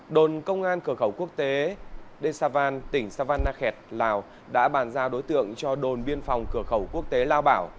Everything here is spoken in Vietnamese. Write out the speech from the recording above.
đồn công an cửa khẩu quốc tế desavan tỉnh savannakhet lào đã bàn giao đối tượng cho đồn biên phòng cửa khẩu quốc tế lao bảo